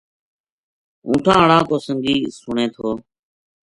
اونٹھاں ہاڑا کو سنگی سُنے تھو